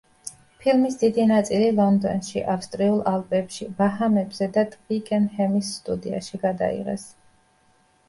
ფილმის დიდი ნაწილი ლონდონში, ავსტრიულ ალპებში, ბაჰამებზე და ტვიკენჰემის სტუდიაში გადაიღეს.